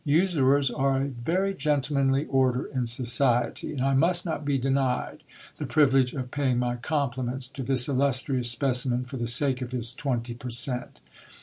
Usurers are a very gentlemanly order in society, and I must not be denied the privilege of paying my compliments to this illustrious specimen, for the sake of his twenty per cent.